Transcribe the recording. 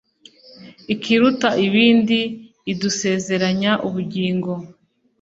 ikiruta ibindi idusezeranya ubugingo